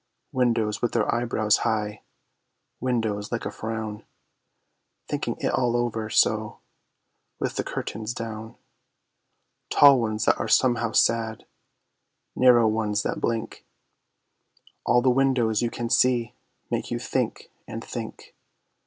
_ Windows with their eyebrows high; windows like a frown, Thinking it all over, so, with the curtains down; Tall ones that are somehow sad, narrow ones that blink, All the Windows you can see make you think, and think.